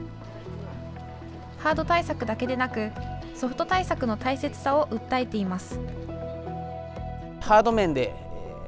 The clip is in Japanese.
ハード対策だけでなくソフト対策の大切さを訴えています。